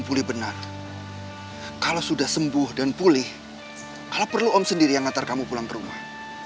boleh benar kalau sudah sembuh dan pulih kalau perlu om sendiri yang ngantar kamu pulang ke rumah